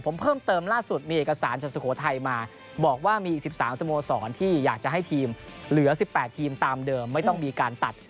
ผมเพิ่มเติมล่าสุดมีเอกสารจากสุโขทัยมาบอกว่ามีอีก๑๓สโมสรที่อยากจะให้ทีมเหลือ๑๘ทีมตามเดิมไม่ต้องมีการตัด